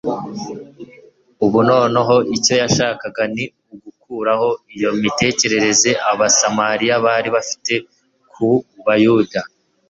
Ubu noneho icyo yashakaga ni ugukuraho iyo mitekerereze Abasamariya bari bafite ku Bayuda